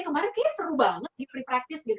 kemarin kayaknya seru banget di pre practice gitu kan